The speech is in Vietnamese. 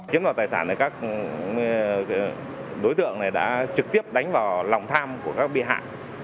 chiếm đoạt tài sản này các đối tượng này đã trực tiếp đánh vào lòng tham của các bị hại